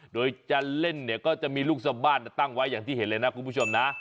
โดยจะเล่นเนี่ยก็จะมีลูกสะบ้านตั้งไว้อย่างที่เห็นเลยนะคุณผู้ชมนะ